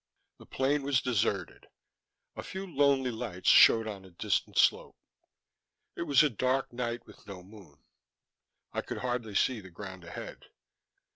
The plain was deserted. A few lonely lights showed on a distant slope. It was a dark night with no moon. I could hardly see the ground ahead.